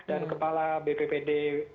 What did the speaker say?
dan kepala bppd